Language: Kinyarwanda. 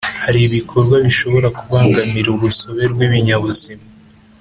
Hari ibikorwa bishobora kubangamira urusobe rw’ibinyabuzima